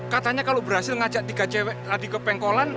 katanya kalau berhasil ngajak tiga cewek tadi ke pengkolan